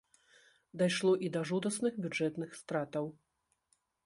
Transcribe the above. Дайшло і да жудасных бюджэтных стратаў.